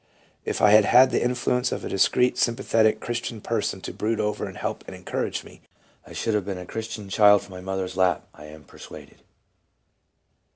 .." If I had had the influence of a discreet, sympathetic Christian person to brood over and help and encourage me, I should have been a Christian child from my mother's lap, I am persuaded."